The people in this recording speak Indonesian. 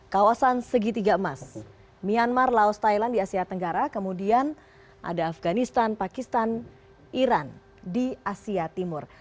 kawasan segitiga emas myanmar laos thailand di asia tenggara kemudian ada afganistan pakistan iran di asia timur